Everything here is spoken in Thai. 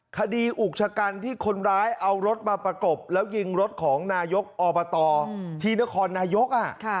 อุกชะกันที่คนร้ายเอารถมาประกบแล้วยิงรถของนายกอบตที่นครนายก